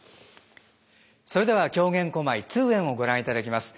それでは狂言小舞「通圓」をご覧いただきます。